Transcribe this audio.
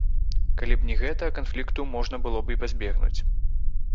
Калі б не гэта, канфлікту можна было б і пазбегнуць.